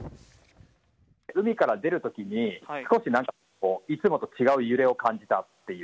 海から出るときに、少しなんかこう、いつもと違う揺れを感じたっていう。